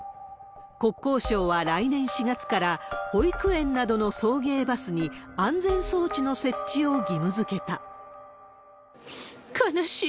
国交省は来年４月から、保育園などの送迎バスに安全装置の設置を義務づけた。